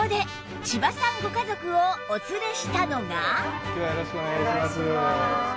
そこで今日はよろしくお願いします。